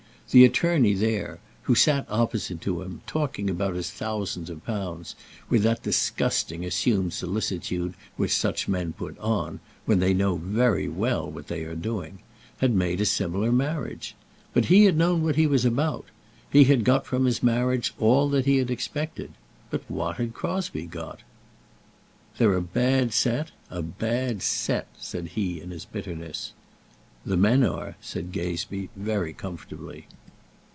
The attorney there who sat opposite to him, talking about his thousands of pounds with that disgusting assumed solicitude which such men put on, when they know very well what they are doing had made a similar marriage. But he had known what he was about. He had got from his marriage all that he had expected. But what had Crosbie got? "They're a bad set, a bad set," said he in his bitterness. "The men are," said Gazebee, very comfortably.